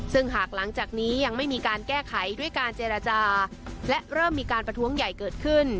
ซึ่งหากหลังจากนี้ยังไม่มีการแก้ไขด้วยการเจรจาและเริ่มมีการประท้วงใหญ่เกิดขึ้น